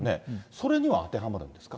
それには当てはまるんですか。